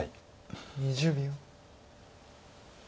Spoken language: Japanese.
２０秒。